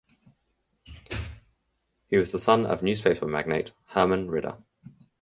He was the son of newspaper magnate Herman Ridder.